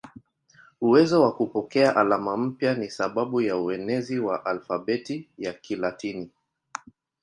Uwezo wa kupokea alama mpya ni sababu ya uenezi wa alfabeti ya Kilatini.